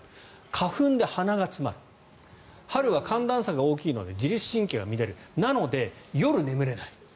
花粉で鼻が詰まる春は寒暖差が大きいので自律神経が乱れるなので夜、眠れない。